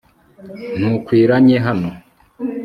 ntukwiranye hano